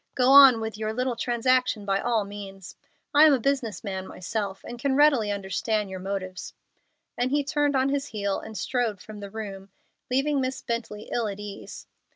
Go on with your little transaction by all means. I am a business man myself, and can readily understand your motives;" and he turned on his heel and strode from the room, leaving Miss Bently ill at ease.